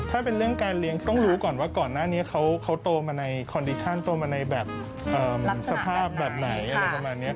ถ้าเป็นเรื่องการเลี้ยงต้องรู้ก่อนว่าก่อนหน้านี้เขาโตมาในคอนดิชั่นโตมาในแบบสภาพแบบไหนอะไรประมาณนี้